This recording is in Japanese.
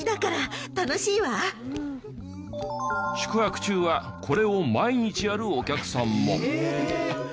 宿泊中はこれを毎日やるお客さんも。